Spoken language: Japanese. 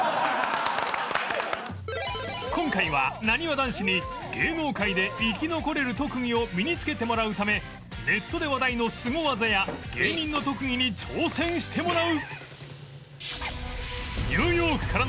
今回はなにわ男子に芸能界で生き残れる特技を身につけてもらうためネットで話題のスゴ技や芸人の特技に挑戦してもらう